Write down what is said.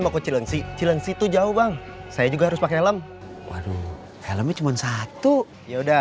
coba silensi silensi tuh jauh bang saya juga harus pakai helm helm cuma satu ya